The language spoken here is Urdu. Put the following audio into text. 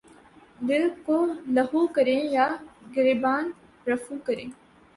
دل کو لہو کریں یا گریباں رفو کریں